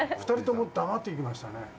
２人とも黙っていきましたね。